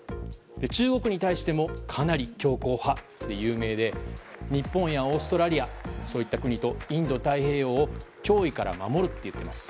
中国に対してもかなり強硬派で有名で日本やオーストラリアそういった国とインド太平洋を脅威から守ると言っています。